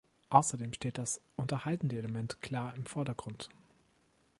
Außerdem steht das unterhaltende Element klar im Vordergrund.